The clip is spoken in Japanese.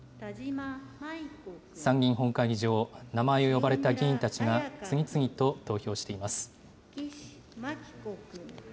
参議院本会議場、名前を呼ばれた議員たちが、次々と投票しています。